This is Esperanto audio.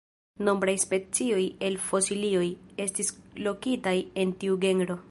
Nombraj specioj el fosilioj estis lokitaj en tiu genro.